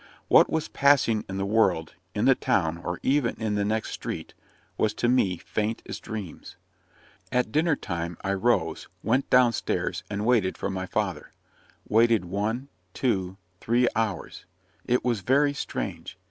What was passing in the world, in the town, or even in the next street, was to me faint as dreams. At dinner time I rose, went down stairs, and waited for my father; waited one, two, three hours. It was very strange.